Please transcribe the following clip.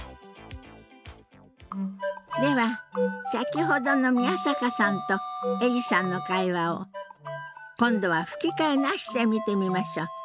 では先ほどの宮坂さんとエリさんの会話を今度は吹き替えなしで見てみましょう。